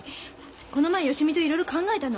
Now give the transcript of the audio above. この前芳美といろいろ考えたの。